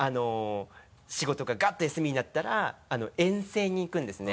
仕事がガッと休みになったら遠征に行くんですね。